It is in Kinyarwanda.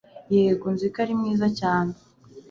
Yego nzi ko ari mwiza cyane